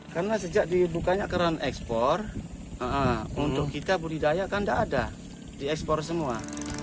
karena sejak dibukanya keran ekspor untuk kita budidaya kan tidak ada diekspor semua